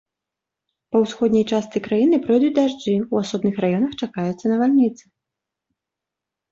Па ўсходняй частцы краіны пройдуць дажджы, у асобных раёнах чакаюцца навальніцы.